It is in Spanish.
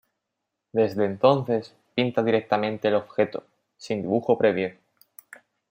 Desde entonces, pinta directamente el objeto, sin dibujo previo.